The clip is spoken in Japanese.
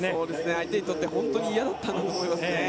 相手にとって嫌だったんだと思いますね。